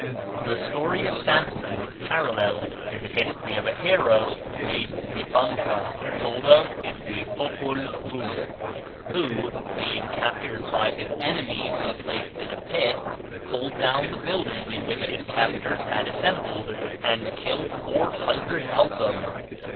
The story of Samson is paralleled in the history of a hero named Zipanca, told of in the "Popol Vuh," who, being captured by his enemies and placed in a pit, pulled down the building in which his captors had assembled, and killed four hundred of them.